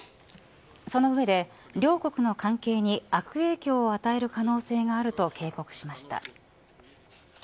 その上で両国の関係に悪影響を与える可能性があると警告しました。